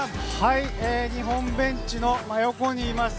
日本ベンチの真横にいます。